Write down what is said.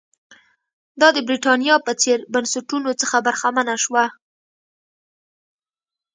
دا د برېټانیا په څېر بنسټونو څخه برخمنه شوه.